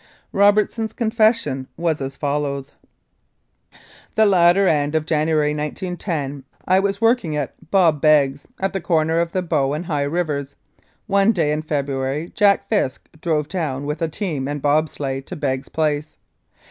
Robertson's confession was as follows: "The latter end of January, 1910, I was working at Bob Begg's, at the corner of the Bow and High Rivers. One day in February Jack Fisk drove down with a team and bob sleigh to Begg's place.